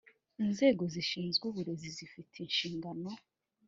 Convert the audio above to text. inzego zishinzwe uburezi zifite inshingano